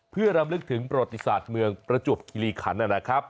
เพื่อรำลึกถึงประวัติศาสตร์เมืองประจวบคิริขันนะครับ